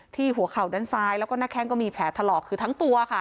หัวเข่าด้านซ้ายแล้วก็หน้าแข้งก็มีแผลถลอกคือทั้งตัวค่ะ